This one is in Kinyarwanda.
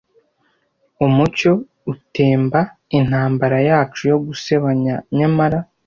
Umucyo utemba intambara yacu yo gusebanya, nyamara,